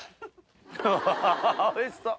ハハハおいしそう。